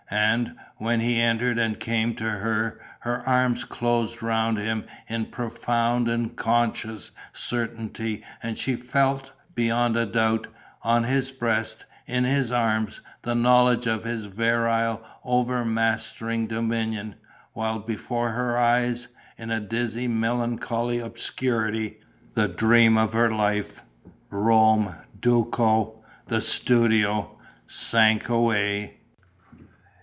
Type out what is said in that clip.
And, when he entered and came to her, her arms closed round him in profound and conscious certainty and she felt, beyond a doubt, on his breast, in his arms, the knowledge of his virile, over mastering dominion, while before her eyes, in a dizzy, melancholy obscurity, the dream of her life Rome, Duco, the studio sank away....